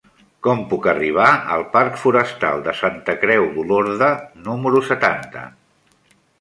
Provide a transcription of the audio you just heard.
Com puc arribar al parc Forestal de Santa Creu d'Olorda número setanta?